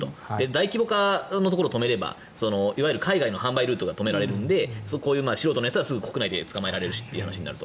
大規模化のところを止めれば海外の販売ルートが止められるのでこういう素人の奴は国内で捕まえられるしとなる。